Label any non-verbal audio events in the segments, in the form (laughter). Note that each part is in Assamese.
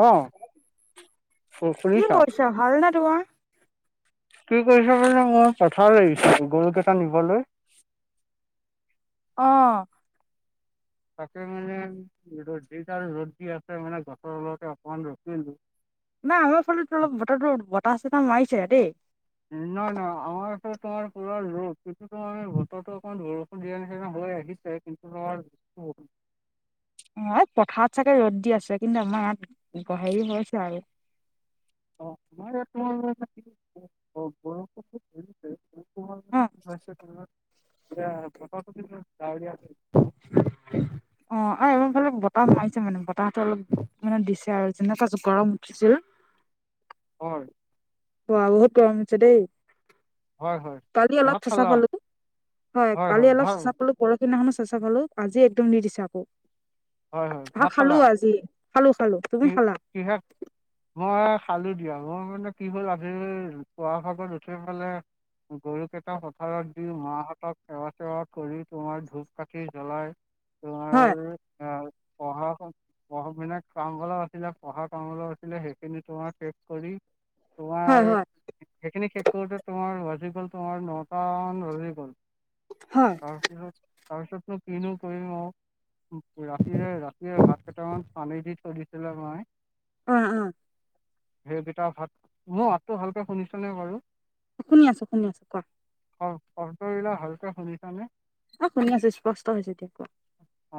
অ, শুনিছা? ভালনে তোমাৰ? কি কৰিছে মানে মই পথাৰলে আহিছো, গৰু গেটা নিবলৈ। অঁ' তাকে মানে, ৰ'দ যি দাল ৰ'দ দি আছে মানে গছৰ তলতে অকমান ৰখিয়ে ললো। নাই আমাৰ ফালেতো অলপ বতৰহটো বতাহ-চতাহ মাৰিছে দেই। নাই, নাই, আমাৰ আকৌ তাৰ পুৰা ৰ'দ কিন্তু তোমাৰ বতৰটো অকণমান বৰষু- দিয়া নিচিনা হৈ আহিছে কিন্তু তোমাৰ ন‌ই' পথাৰত চাগে ৰ'দ দি আছে কিন্তু আমাৰ ইয়াত হেৰি হৈছে আৰু। অ, তোমাৰ ইয়াত মই মানে (unintelligible) অ বৰষুণো অ' ধৰিছে তোমালোকে (unintelligible) বতৰতো কিন্তু ডাৱৰীয়া হৈ গৈছে আৰু (inaudible) অ, এই আমাৰফালে বতাহ মাৰিছে মানে, বতাহটো অলপ মানে দিছে আৰু যেনেকুৱা যে গৰম উঠিছিল! অ হয়। ওৱাল হে (unintelligible) উঠছে দেই! হয় হয় কালি অলপ ভাত চেঁচা খালা পালোঁ। হয়, কালি অলপ চেঁচা পালোঁ পৰহি দিনাখনো চেচাঁ পালোঁ, আজি একদম দি দিছে আকৌ। হয় হয় ভা ভাত খালো খালা আজি। খালোঁ খালোঁ। কি, কি শাক? মই খালো দিয়া, মোৰ মানে কি হ'ল আজি পুৱাৰ ভাগত উঠি পেলাই গৰুকেইটা পথাৰত দি, মাহঁতক সেৱা-চেৱা কৰি তোমাৰ ধূপ-কাঠি জ্বলাই তুমা হয়। এ, পঢ়া-শুন পঢ়া-শুনাক কাম অলপ আছিলে পঢ়া কাম অলপ আছিলে সেইখিনি তোমাৰ শেষ কৰি, হয় তোমাৰ হয় সেইখিনি শেষ কৰোঁতে তোমাৰ বাজি গ'ল তোমাৰ নটা মন বাজি গ'ল। হয়। তাৰপিছত, তাৰপিছতনো কিনো কৰিম আঔ? ৰাতিৰে, ৰাতিয়ে ভাত কেইটামান পানী দি থৈ দিছিলে মাই- অ' অ'। সেইকেইটা ভাত, মোৰ মাতটো ভালকে শুনিছনে বাৰু? শুনি আছোঁ, শুনি আছোঁ কোৱা। অঁ শব্দবিলাক ভালকে শুনিছানে? অ, শুনি আছোঁ স্পষ্ট হৈছে এতিয়া, এতিয়া কোৱা।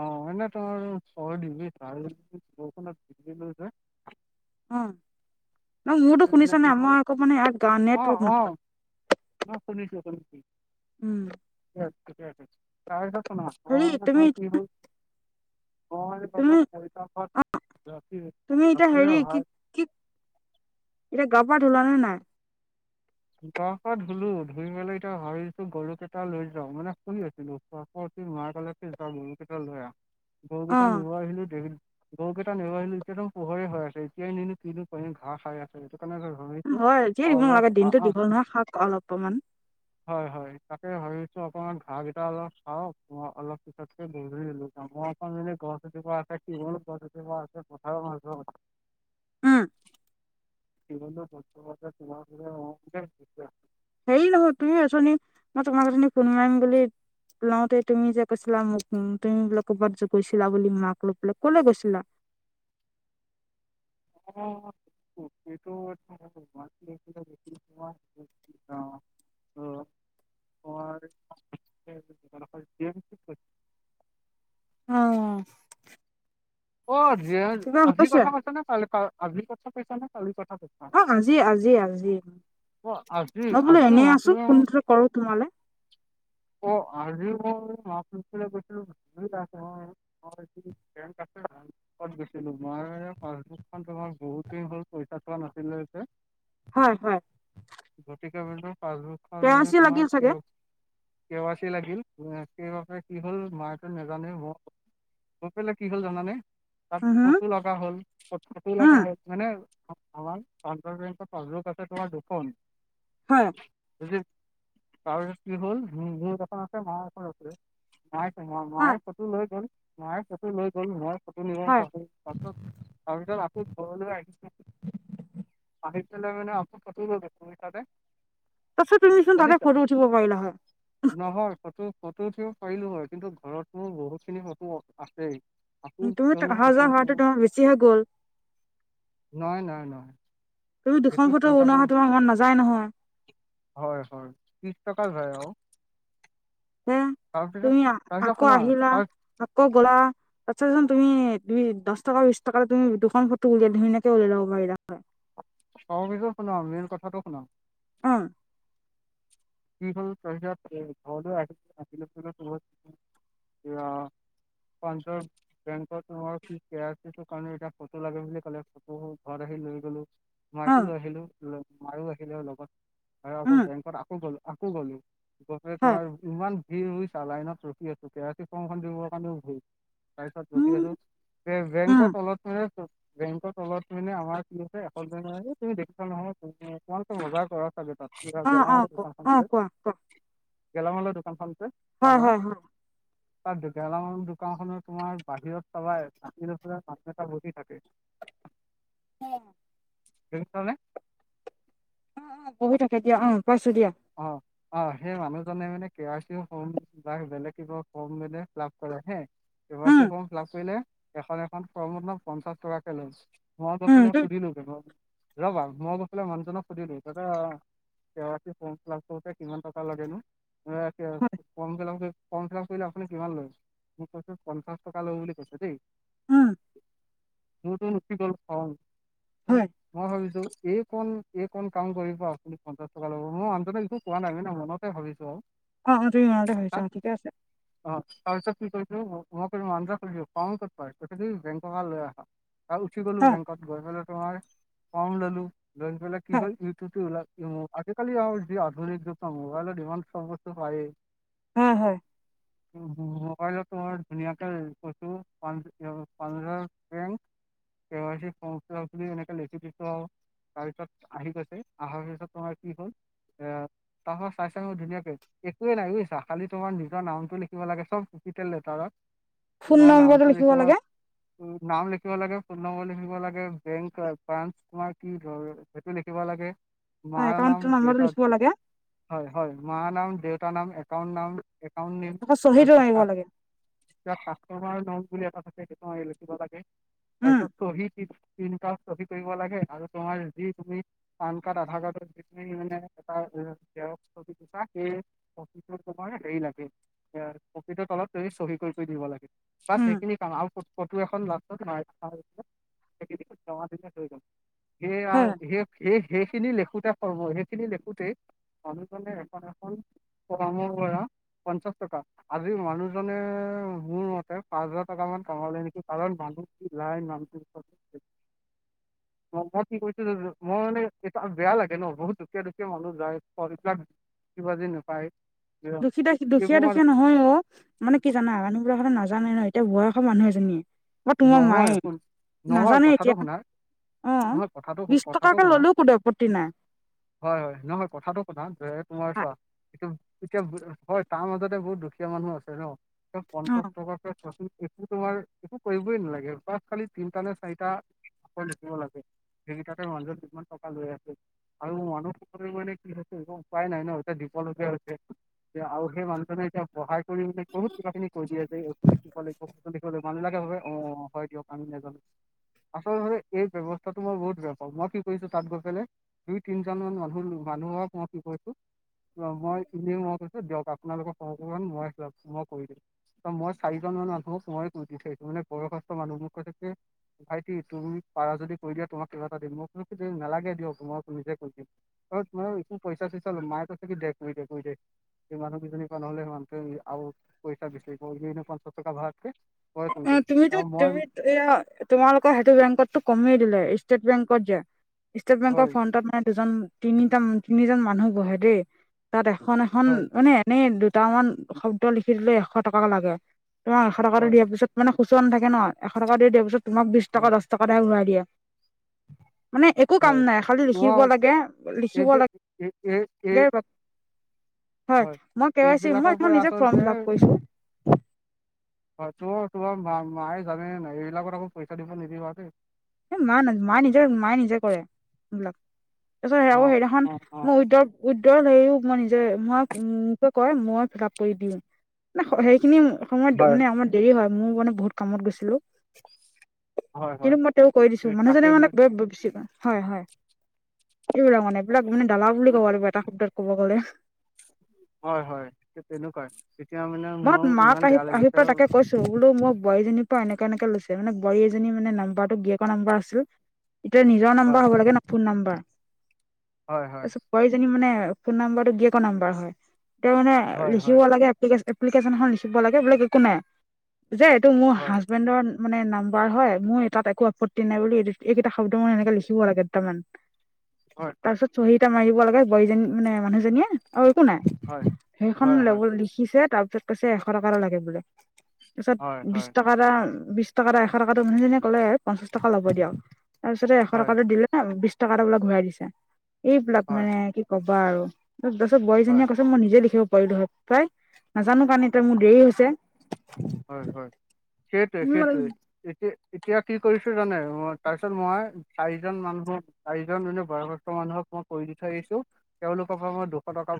অঁ, এনে তৰ ছৰদিবি ভাল, বৰষুণত তিতিলো যে। অঁ, নহয় মোৰতো তাতে শুনিছ মানে কি নাই? হ'ল ময় আকৌ মানে ইয়াত গাঁৱত নেটৱৰ্ক নাপায়। অঁ' শুনিছোঁ, শুনিছোঁ। উম' দিয়া, ঠিকেই আছে। তাৰপিছত শুনা। মই হেৰী, তুমি- ময় তুমি প্ৰথম পঁইটাভাত ৰাতিৰ তুমি এতিয়া হেৰি ৰাতিৰে হয়। এ গা-পা ধুলা নে নাই? গা-পা ধুলো। ধুই-মেলি এতিয়া ভাবি আছোঁ গৰু কেইটা লৈ যাওঁ, মানে শুই আছিলোঁ। শুৱা পা উঠি মায়ে কলে- এ যা গৰুকেইটা লৈ আহ। অ গৰুকেইটা নিব আহিলো দেখিলোঁ- গৰুকেইটা নিব আহিলো এতিয়াটো পোহৰে হৈ আছে। এতিয়াই নিনো কিনো কৰিম ঘাঁহ খাই আছে, সেইটো কাৰণে ভাবি- হয়, এতিয়া দিব নালাগে দিনতো দীঘল নহয়, খাওক অলপমান। হয়, হয়। তাকে ভাবিছোঁ অকমান ঘাঁহকেইটা অলপ খাওঁক, ময় অলপ পিছ- তাতকৈ গৰুজনী লৈ যাওঁ। ময় আক মানে গছ এজোপা আছে কিহনো গছ এজোপা আছে পথাৰৰ মাজত। উম' কিহনো গছ এজোপা আছে। হেৰী নহয়, তুমি অথনি মই তোমাক অথনি ফোন মাৰিম বুলি- লওঁতে তুমি যে কৈছিলা, মোক উম তুমি বোলে ক'বাত যে গৈছিলা বুলি, মাক লৈ পেলাই ক'লৈ গৈছিলা? অঁ সেইটো- (inaudible) (unintelligible) অঁ' অ' ৰিয়ান আজিৰ হৈছে কথা কৈছ নে কালি আজি কথা কৈছ নে কালিৰ কথা কৈছা? অ' আজি আজি আজি, অ আজি মই বোলো আজি এনেই মাক আছো লৈ ফোনটো কৰো তোমালে। অ আজি ময় মাছ ধৰিবলে গৈছিলো। (unintelligible) কত গৈছিলো? মই পাছবুকখন তোমাৰ বহুত দিন হ'ল পইচা চোৱা নাছিলে যে, - হয় হয়। গতিকে, ভাবিলো পাছবুকখন লৈকেনে কেৰাচি তোমাৰ লাগিল চাগে কেও- কেৱাচি লাগিল। সেইবাবে কি হল মায়েটো নাজানে এইবোৰ, গৈ পেলাই- কি হ'ল জানানে? তাত উম হম ফটো লগা হ'ল ক ফটো উম লগা হল মানে- আ পানজাব বেংকত পছবুক আছে তোমাৰ দুুখন। হয়। আৰু এয়াত কি হ'ল মো এখন আছে মা এখন আছে। মায়ে ম ম হয় মায়ে ফটো লৈ গল মায়ে ফটো লৈ গ'ল মই- ফটো নিব হয় পাহৰিলো। হলো তাৰপিছত আকৌ ঘৰলৈ আহিছো। পানিচছেলে মানে আকৌ ফটৌ লৈ লয় বুজিছানে? তাছত তুমিচোন তাতে ফটো উঠিব পাৰিলা হয়। নহয় নহয়, ফটো ফটো উঠিব পাৰিলো হয় কিন্তু ঘৰত মোৰ বহুত খিনি ফটো আছেই। আকৌ দুইত কিয়নো অহা ফটো যোৱা উঠিব ভাড়াটো তোমাৰ বেছিহে গ'ল। নহয় নহয় নহয়। তুমি দুখন ফটো বনোৱা তোমাৰ মন নাযায় নহয়। হয় হয় ত্ৰিছ টকা হয় আৰু। হ তাৰপিছত তুমি তাৰপিছত আকৌ শুনা আহিলা তাৰ আকৌ গলা। পাছত চোন তুমি দুই দহ টকা বিশছ টকাে তুমি দুখন ফটো উলিয় ধুনীয়াকে ওলিয়াই‌ ল'ব পাৰিলে হয়। অ বুজিয়ে শুনক মেন কথাটো শুনক। অ। কি হ'ল তাৰপিছত ঘৰলৈ আহি, আহ। পঞ্চ বেংম এতি ফটো লাগে বুলি ক ফটো ঘৰত আহি লৈ গলো। মাইকো উম লৈ আহিলো মাৰো আহিলো লগত আৰু আকৌ উম বেংকত আকৌ গলো আকৌ গলো। গট হয় তোমাৰ ইমান ভিৰইছা লাইনত ৰখি আছো কেৰাচী ফৰ্মখন দিবৰ কাৰণেও ভৰি তাৰ পিছত ৰখি উম আছো, উম বেংকত তলত ম বেংক তলত মানে আমাৰ কি হৈছে এ তুমি দেখিছা নহয়মান বজাৰ কৰা। তাত অ অ গেলামালৰ ক দোকানখন অ যে, কোৱা কোৱা গেলামালৰ দোকানখন যে হয় তামই। হয় হয় তাত গেলামাল দোকান খনৰ তোমাৰ বাহিৰত চাবাইচ মানুহ এটা বহি থাকে। হম। দেখিছ নে? অ অ বহি থাকে দিয়া অ পাইছো দিয়া। অ অ সেই মানুহজনে মানে কে আৰ চি হ বা বেলেগ কিবা কম মেলে লাভ কৰে হে। কে আৰ চি উম ফৰ্ম ফিলাপ কৰিলে এখন এখন ফৰ্ম পঞ্চাশ টকাকে লয়। ঘৰত উম আছে নে তুমি শুধিলো। ৰবা মই গৈ পাই মানুহজনক সুধিলো দাদা, K R C form fill up কৰোতে কিমান টকা লগেনো, হয় ফম ফিলাম ফম ফিলাপ কৰিলে আপুনি কিমান লয়, মই কৈছোঁ পঞ্চাশ টকা লব বুলি কৈছে দেই। উম মোৰটো উঠি গল খং, হয় মই ভাবিছো এই ক এই কণ কাম কৰিব আপুনি পঞ্চাশ টকা ল'ব মই আনজনে একো কোৱা নাই ম ন মনতে ভাবিছো আৰু। অ অ তুমি মনতে ভাবিছা তাত ঠিকে আছে। অ তাৰপিছত কি‌ কৰিছো মই ম কৰিছ ক কৰাই বেংককা লৈ আহা। আৰু উঠি গ'লো অ বেংকত গৈ পেলাই তোমাৰ, ফৰ্ম ল'লো লৈ পেলাই কি হয় হ'ল ইউটিউটো ওল আজিকালি আৰু যি আধুনিক যুগ মোবাইলৰ ইমান চব বস্তু পায়েই। হয় হয়। মোবাইলত তোমাৰ ধুনীয়াকে (unintelligible) কে আই চি এনেকে লেখি দিছো আৰু। তাৰপিছত আহি গৈছে অহাৰ পিছত তোমাৰ কি হ'ল, এ তাৰ পৰা চাই চো ধুনীয়াকে। একোৱে নাই বুজিছা খালি তোমাৰ নিজৰ নামটো লিখিব লাগে চব কেপিটেল লেটাৰত। ফোন তোমাৰ নামটো নম্বৰটো লিখিব লাগে। নাম লিখিব লাগে, ফোন নম্বৰ লিখিব লাগে, বেংক ব্ৰাঞ্চ তোমাৰ কি হয়? সেইটো লিখিব লাগে। মাৰ একাউণ্টৰ নাম নম্বৰটো দেউতাৰ, লিখিব লাগে হয় হয় মাৰ নাম দেউতাৰ নাম একাউণ্ট নাম। একাউণ্ট নেম আকৌ চহীটো মাৰিব ভাল লাগে এ কাষ্টমাৰ নাম বুলি এটা থাকে সেইটো এ লিখিব লাগে উম তাৰপিছত চহী তিনতা চহী কৰিব লাগে আৰু তোমাৰ যি তুমি পান কাৰ্ড আধাৰ কাৰ্ডৰ মানে এটা জেৰক্স কপিটো চাই অফিচত তোমাৰ হেৰী লাগে। কপিটোৰ তলত চহী কৰি কৰি দিব লাগে বাচ উম সেইখিনি কাম আৰু ফটো এখন লাষ্টত সেইয়া হয় সেই সেইখিনি লিখোতে পৰ্ব সেইখিনি লিখোতে এখন এখন পঞ্চাছ টকা আজি মানুহজনে মোৰ মতে পাঁচ হাজাৰ টকা মান কমালে নেকি? কাৰণ মানুহ নাই মানু্হটো মই কি কৈছো যে মই মানে এইটো বেয়া লাগে যেনে- বহুত দুখীয়া দুখীয়া মানুহ যায় ফ্ৰমবিলাক বুজি- বাজি নাপায়। দুখীয়া দে দুখীয়া এইবোৰ মানে দুখীয়া নহয় অ'! মানে কি জানা মানুহবিলাক কথা নাজানে ন এতিয়া বয়সৰ মানুহ এজনীয়ে বা তোমাৰ নহয় মায়ে শুন, নহয় নাজানে কথাটো এতিয়া শুনা অ নহয় কথাটো বিশ কথাটো টকাকে শুনা ললেও কোনো আপত্তি নাই। হয় হয় নহয় কথাটো শুনা যে তোমাৰ চোৱা এতিয়া হয়, তাৰ মাজতে বহুত দুখীয়া মানুহ আছে ন! অ পঞ্চাছ টকাকৈ চোৱা চোন একো তোমাৰ কৰিবই নালাগে বা খালি তিনটা নে চাৰিটা আকৌ লিখিব লাগে গোটেই কেইটা মাজত কিমান টকা লৈ আছে? আৰু মানু্হবোৰৰ কি হৈছে উপায় নাই ন এতিয়া দিবলগীয়া হৈছে। যে আৰু সেই মানুহজনে এতিয়া সহায় কৰি মানে বহুত কিবা-কিবি কৈ দিয়ে যে এইটো লখিব সিটো লিখিব লাগিব মানুহিলাকে ভাবে অ হয় দিয়ক। আমি নাজানো! আচলতে এই ব্যৱস্থাটো মই বহুত বেয়া পাওঁ মই কি কৰিছো তাত গৈ পেলাই দুই তিনিজনমান মানুহ মানুহক মই কি কৈছোঁ মই এনেও মই কৈছোঁ দিয়ক আপোনালোকক অকমান মই মই কৰি দিম মই চাৰি জন মান মানুহক মইয়ে কৰি দি থৈ মানে ওপৰৰ কাষ্টৰ মানু্হবোৰ কৈ থাকে ভাইটি তুমি পাৰা যদি কৰি দিয়া, তোমাক কিবা এটা দিম। মই বুলো নালাগে দিয়ক মই নিজে কৰি দিম। অ তোমাৰ একো পইচা চইচা লম মায়ে কৈছে কি দে কৰি দে। সেই মানু্হ কিজনী পা নহলে সেই মানু্হটোৱে আৰু পইছা বিচাৰিব এনেই এনেই পঞ্চাছ টকা ভৰাতকে হয় তুমি তুমিতো এয়া তোমালোকৰ সেইটো বেংকটো কমেই দিলে ষ্টেট বেংকত যে ষ্টেট বেংকৰ হয় ফ্ৰণ্টত মানে দুজন তিনিটা তিনিজন মানুহ বহে দেই! তাত এখন এখন হয় মানে এনেই দুটামান শব্দ লিখি দিলে এশ টকা লাগে। তোমৰ এশ টকাটো হয় দিয়াৰ পিছত মানে খুচুৰা নাথাকে ন, এশ টকা দি দিয়াৰ পিছত তোমাক বিশ হয় টকা বাছ টকাহে ঘূৰাই দিয়ে। মানে একো হয় কাম নাই খালী লিখিব তোমাৰ লাগে, লিখিব এইবি এই এই এই লাগে। হয়, মই কে ৱাই চি মই এইবিলাকৰ এইখন পৰা নিজে ফৰ্ম আচলতে ফিল আপ কৰিছো হয় তোৰ তোমাৰ মা মায়ে জানে নে নাই এইবিলাকত আকৌ পইচা দিব নিদিবা দেই। মায় মায়ে নিজে মায়ে নিজে কৰে এইবিলাক তাৰপিছত অ আকৌ সেইদিনাখন অ অ মই উদ্য উইদ্ৰও মই নিজে মই নি কয় মই ফিলাপ কৰি দিলোঁ ন সেইখিনি সময়ত হয় মানে আমাৰ দেৰি হয় ময়ো মানে বহুত কামত গৈছিলো হয় হয় তেঁও কৈ দিছো এই তাকে মানুহজনে মানে ব বেচি কৰে হয হয় এইবিলাক মানে এইবিলাক মানে দালাল বুলি ক'ব লাগিব এটা শব্দত ক'ব গ'লে হয় হয় হে তেনেকুৱা এই তেতিয়া মানে মই মোৰ মাক ইমান আহি বেয়া আহি লাগিছে পেলাই তাকে কৈছো বোলো মোক বোৱাৰীজনীৰ পৰা এনেকে এনেকে লৈছে মানে বোৱাৰী এজনী মে নাম্বাৰটো গিয়েকৰ নাম্বাৰ আছিল এতিয়া নিজৰ নাম্বাৰ হয় হ'ব লাগে ন ফোন নাম্বাৰ হয়, হয়। তাৰপিছত বোৱাৰীজনী মানে ফোননাম্বাতো গিৰিয়েকৰ নাম্বাৰ হয় তেও মানে হয় লিখিব হয় লাগে এপ্লিকেশ্যন এপ্লিকেশ্যনছ খন লিখিব লাগে, এইবিলাক একো নাই যে এইতো মোৰ হয় হাজবেণ্ডৰ মানে নাম্বাৰ হয় মোৰ তাত একো আপত্তি নাই বুলি এইকেইটা শব্দ মই এনেকে লিখিব লাগে দুটামান। টং হয়, হয়। চহী এটা মাৰিব লাগে বোৱাৰীজনী মানে মানুহজনীয়ে আৰু একো নাই হয় সেইখন হয় লব হয় লিখিছে তাৰপিছত কৈছে এশ টকা এটা লাগে বোলে, তাৰপিছত হয় বিশ হয় টকা টকা বিশ টকা এশ টো মানুহনে ক'লে পঞ্চাশ টকা ল'ব দিয়ক তাৰপিছতে এশ হয় টকাটো দিলে নে বিশ টকা এটা বোলে ঘূৰাই দিছে। এইবিলাক হয় মানে কি ক'বা আৰু তাৰপাছত বোৱাৰী হয় জনীয়ে ক মই নিজে লিখিব পাৰিলো হয় পায়। নাজানো কাৰণ এতিয়া মোৰ দেৰি হৈছে। হয়, হয় সেইটোৱ হৈছে সেইটোৱ। এতিয়া এতিয়া কি কৰিছো জানে, তাৰপিছত মই চাৰিজন মানুহক চাৰিজন মানুহ বয়সস্থ মানুহক মই কৰি দি থৈ আহিছো, তেওঁলোকৰ পৰা মই দুশ টকা